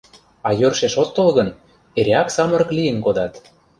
А йӧршеш от тол гын, эреак самырык лийын кодат.